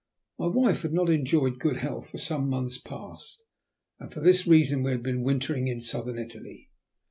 My wife had not enjoyed good health for some months past, and for this reason we had been wintering in Southern Italy.